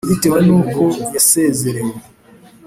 bitewe nu ko yasezerewe